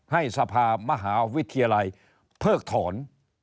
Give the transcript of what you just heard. ให้สภามหาวิทยาลัยเพิกถอน